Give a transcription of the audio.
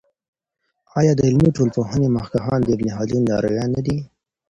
آیا د علمي ټولپوهني مخکښان د ابن خلدون لارویان دی؟